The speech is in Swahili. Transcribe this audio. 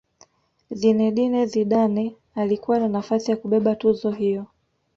zinedine zidane alikuwa na nafasi ya kubeba tuzo hiyo